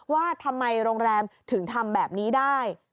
ว่าทำไมโรงแรมถึงทำแบบนี้ได้